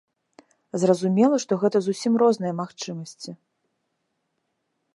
Зразумела, што гэта зусім розныя магчымасці.